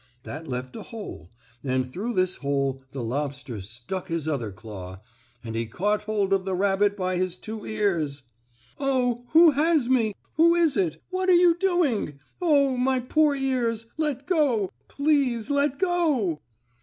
That left a hole, and through this hole the lobster stuck his other claw, and he caught hold of the rabbit by his two ears. "Oh! who has me? Who is it? What are you doing? Oh, my poor ears! Let go! Please let go!"